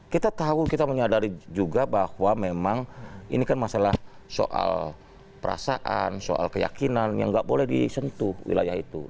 kita tahu kita menyadari juga bahwa memang ini kan masalah soal perasaan soal keyakinan yang nggak boleh disentuh wilayah itu